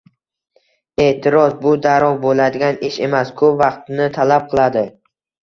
E’tiroz: «Bu darrov bo‘ladigan ish emas, ko‘p vaqtni talab qiladi!».